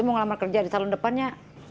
aku mau ngalaman kerja di salon depannya